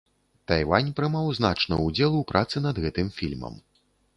Тайвань прымаў значны ўдзел у працы над гэтым фільмам.